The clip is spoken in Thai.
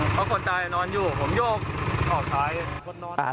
เพราะคนตายนอนอยู่ผมโยกขอบคลาย